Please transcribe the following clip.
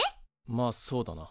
まあそうだな。